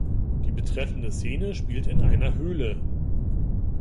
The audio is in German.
Die betreffende Szene spielt in einer Höhle.